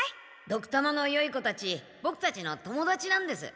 ドクたまのよい子たちボクたちの友だちなんです。